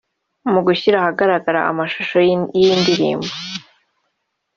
Mu gushyira ahagaragara amashusho y’iyi ndirimbo